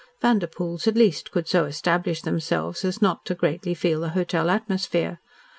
Vanderpoels, at least, could so establish themselves as not to greatly feel the hotel atmosphere.